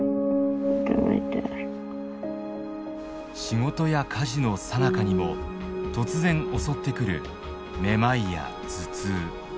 仕事や家事のさなかにも突然襲ってくるめまいや頭痛。